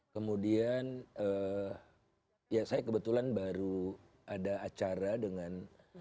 kemudian ya saya kebetulan baru ada acara dengan